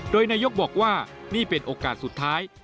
โดยนายกบอกว่านี่เป็นโอกาสสุดท้าย